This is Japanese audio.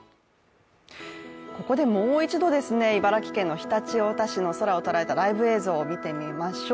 ここでもう一度、茨城県の常陸太田市の空を捉えたライブ映像を見てみましょう。